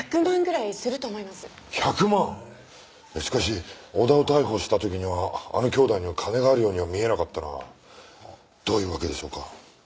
いやしかし小田を逮捕した時にはあの兄妹には金があるようには見えなかったがどういうわけでしょうか？